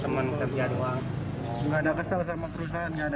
enggak ada kesal sama perusahaan enggak ada